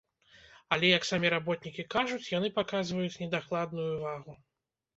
Але, як самі работнікі кажуць, яны паказваюць недакладную вагу.